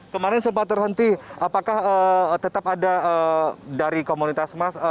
kemarin sempat terhenti apakah tetap ada dari komunitas mas